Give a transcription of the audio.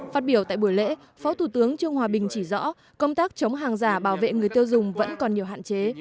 phát biểu tại buổi lễ phó thủ tướng trương hòa bình chỉ rõ công tác chống hàng giả bảo vệ người tiêu dùng vẫn còn nhiều hạn chế